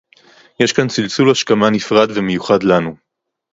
יש כאן צלצול השכמה נפרד ומיוחד לנו